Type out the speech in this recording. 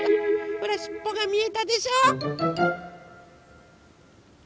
ほらしっぽがみえたでしょ？